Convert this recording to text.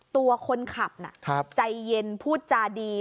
ตัวคนขับน่ะใจเย็นพูดจาดี